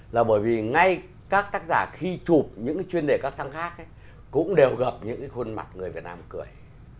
là bởi vì ngay các tác giả khi chụp những cái chuyên đề các thăng khác ấy cũng đều gặp những cái khuôn mặt người việt nam cười